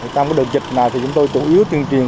trong đợt dịch này chúng tôi tự yếu tuyên truyền